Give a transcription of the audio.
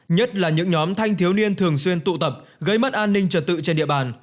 nhất là những nhóm thanh thiếu niên thường xuyên tụ tập gây mất an ninh trật tự trên địa bàn